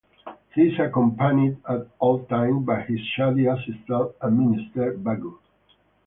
He is accompanied at all times by his shady assistant and minister, Bagoo.